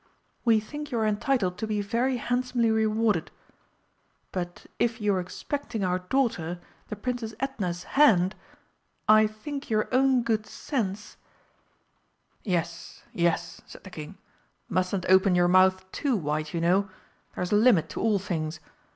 We think you are entitled to be very handsomely rewarded. But if you're expecting our daughter, the Princess Edna's hand, I think your own good sense " "Yes, yes," said the King; "mustn't open your mouth too wide, you know. There's a limit to all things!